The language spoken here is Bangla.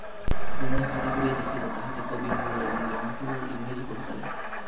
বিনয় খাতা খুলিয়া দেখিল, তাহাতে কবি মূর এবং লংফেলোর ইংরেজি কবিতা লেখা।